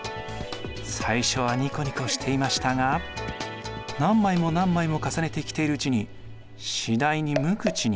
最初はニコニコしていましたが何枚も何枚も重ねて着ているうちに次第に無口に。